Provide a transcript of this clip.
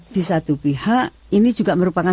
di satu pihak ini juga merupakan